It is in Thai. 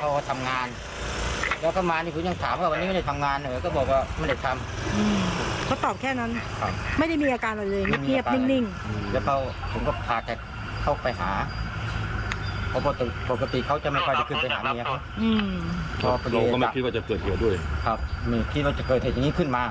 ปกติเขาจะไม่ค่อยจะขึ้นไปหาเมียเขาเราก็ไม่คิดว่าจะเกิดอย่างนี้ด้วยครับไม่คิดว่าจะเกิดอย่างนี้ขึ้นมา